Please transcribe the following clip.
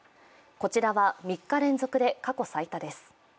こちらは３日連続で過去最多です。